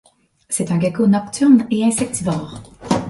C'est un gecko nocturne et insectivore.